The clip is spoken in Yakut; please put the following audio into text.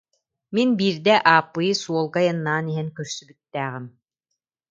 Мин биирдэ Ааппыйы суолга айаннаан иһэн көрсүбүттээҕим